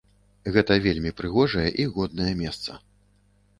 Гэта вельмі прыгожае і годнае месца.